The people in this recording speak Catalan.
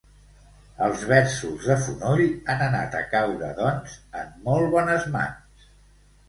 Els versos de Fonoll han anat a caure, doncs, en molt bones mans.